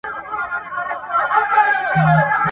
کمپيوټر ډرون الوځوي.